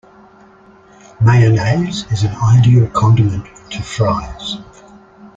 Mayonnaise is an ideal condiment to Fries.